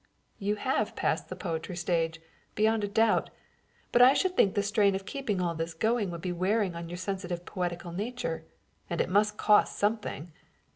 "You have passed the poetry stage, beyond a doubt. But I should think the strain of keeping all this going would be wearing on your sensitive poetical nature. And it must cost something."